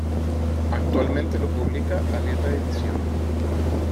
Actualmente lo publica Aleta Ediciones.